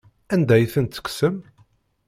Anda ay ten-tekksem?